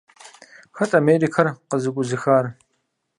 Хэт Америкэр къызэӀузыхар?